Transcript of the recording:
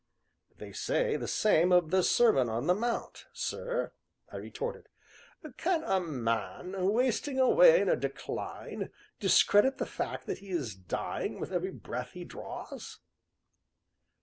"They say the same of 'The Sermon on the Mount,' sir," I retorted. "Can a man, wasting away in a decline, discredit the fact that he is dying with every breath he draws?"